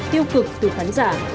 tiêu cực từ khán giả